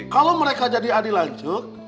kalau mereka jadi adilanjuk